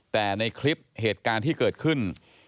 แต่ในคลิปเหตุการณ์ที่เกิดขึ้น